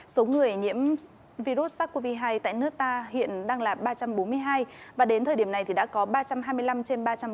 số người nhiễm virus sars cov hai tại nước ta hiện đang là ba trăm bốn mươi hai và đến thời điểm này thì đã có ba trăm hai mươi năm trên ba trăm bốn mươi hai bệnh nhân được công bố khỏi bệnh